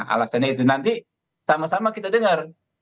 alasannya itu nanti sama sama kita dengar